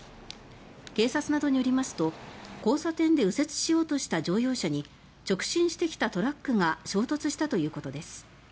警察などによりますと交差点で右折しようとした乗用車に直進してきたトラックが衝突したということです。